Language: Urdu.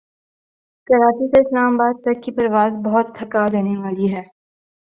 کراچی سے اسلام آباد تک کی پرواز بہت تھکا دینے والی ہے